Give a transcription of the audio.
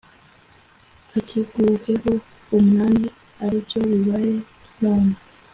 , akiguheho umunani, ari byo bibaye none.